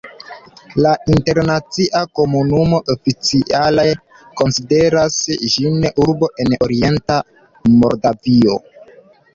La internacia komunumo oficiale konsideras ĝin urbo en orienta Moldavio.